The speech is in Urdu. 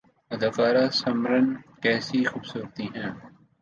اداکارہ سمرن کیسی خوبصورتی ہے